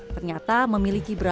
ternyata memiliki jalan yang berbeda